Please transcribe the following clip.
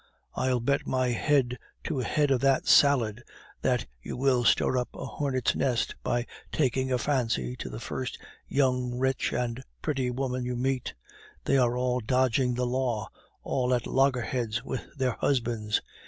I'll bet my head to a head of that salad that you will stir up a hornet's nest by taking a fancy to the first young, rich, and pretty woman you meet. They are all dodging the law, all at loggerheads with their husbands.